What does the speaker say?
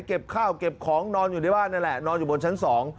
เก็บข้าวเก็บของนอนอยู่ในบ้านนั่นแหละนอนอยู่บนชั้นสอง